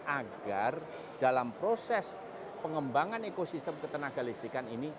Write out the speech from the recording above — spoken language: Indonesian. agar dalam proses pengembangan ekosistem ketenagalistikan ini